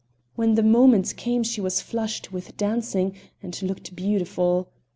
When the moment came she was flushed with dancing and looked beautiful.